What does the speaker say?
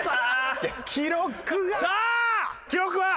さあ記録は？